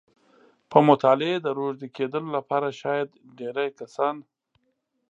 په مطالعې د روږدي کېدو لپاره شاید ډېری کسان